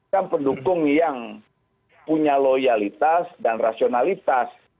kan pendukung yang punya loyalitas dan rasionalitas